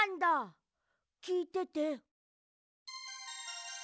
きいてて。